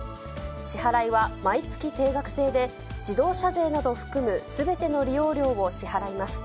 支払いは毎月定額制で、自動車税などを含むすべての利用料を支払います。